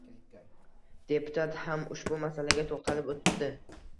Deputat ham ushbu masalaga toʻxtallib oʻtibdi.